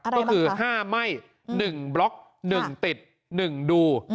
ก็คือ๕ไหม้๑บล็อก๑ติด๑ดู